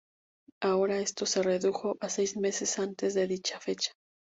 Ahora esto se redujo a seis meses antes de dicha fecha.